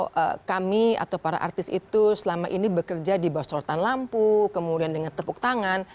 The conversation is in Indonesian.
kalau kami atau para artis itu selama ini bekerja di bawah sorotan lampu kemudian dengan tepuk tangan